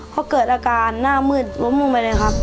เขาเกิดอาการหน้ามืดล้มลงไปเลยครับ